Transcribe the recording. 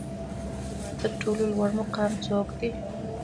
د هیواد تر ټولو لوړ مقام څوک دی؟